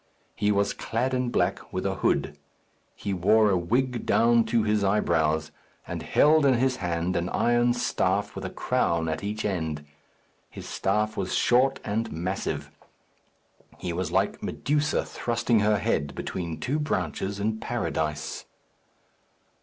He was clad in black, with a hood. He wore a wig down to his eyebrows, and held in his hand an iron staff with a crown at each end. His staff was short and massive. He was like Medusa thrusting her head between two branches in Paradise.